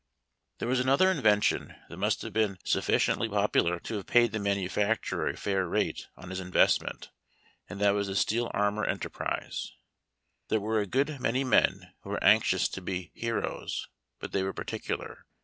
There was another invention that must liave been suffi SOME INVENTIONS AND DEVICES OF THE WAR. 275 ciently popular to have paid the manufacturer a fair rate on his investment, and that was the steel armor enterprise. There were a good many men who were anxious to be heroes, but they were particular.